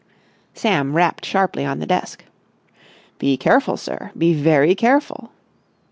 Sam rapped sharply on the desk. "Be careful, sir. Be very careful!"